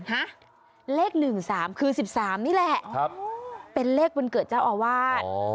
ฮะเลขหนึ่งสามคือสิบสามนี่แหละครับเป็นเลขวันเกิดเจ้าอาวาสอ๋อ